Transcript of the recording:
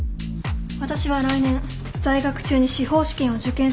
私は来年在学中に司法試験を受験する予定です。